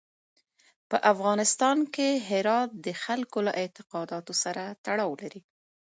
په افغانستان کې هرات د خلکو له اعتقاداتو سره تړاو لري.